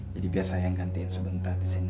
jadi biar saya yang gantiin sebentar di sini